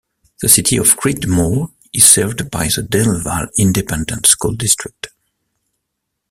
The City of Creedmoor is served by the Del Valle Independent School District.